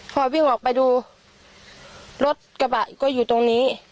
พอวิ่งออกไปดูรถกระบะก็อยู่ตรงนี้